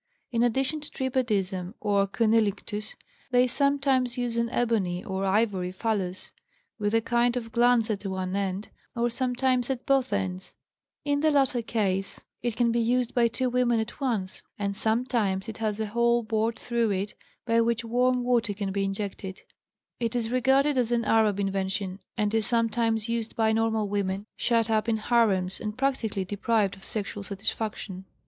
In addition to tribadism or cunnilinctus, they sometimes use an ebony or ivory phallus, with a kind of glans at one end, or sometimes at both ends; in the latter case it can be used by two women at once, and sometimes it has a hole bored through it by which warm water can be injected; it is regarded as an Arab invention, and is sometimes used by normal women shut up in harems, and practically deprived of sexual satisfaction.